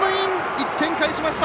１点返しました。